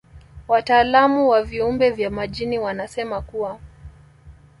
Wataalamu wa viumbe vya majini wanasema kuwa